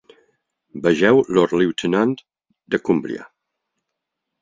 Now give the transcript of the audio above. Vegeu "Lord Lieutenant de Cumbria".